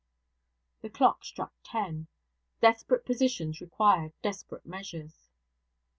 The clock struck ten. Desperate positions require desperate measures.